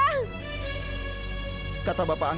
bapak angkat klu mengatakan